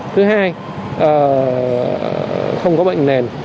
thứ hai không có bệnh nền